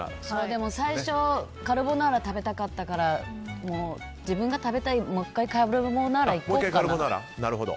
でも最初カルボナーラ食べたかったから自分が食べたいもう１回カルボナーラいこうかな。